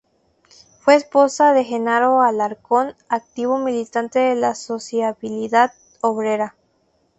Fue esposa de Jenaro Alarcón, activo militante de la sociabilidad obrera.